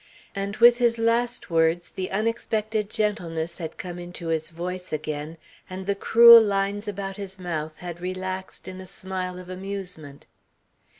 And with his last words the unexpected gentleness had come into his voice again and the cruel lines about his mouth had relaxed in a smile of amusement.